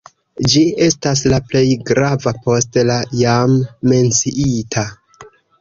Ĝi estas la plej grava post la jam menciita.